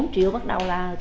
một mươi bốn triệu bắt đầu là